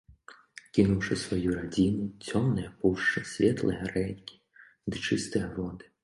Кінуўшы сваю радзіму, цёмныя пушчы, светлыя рэкі ды чыстыя воды.